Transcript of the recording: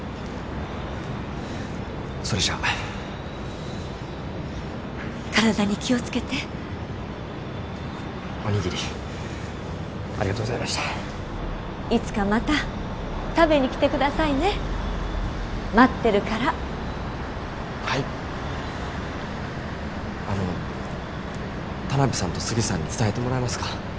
それじゃ体に気をつけておにぎりありがとうございましたいつかまた食べに来てくださいね待ってるからはいあの田辺さんと杉さんに伝えてもらえますか？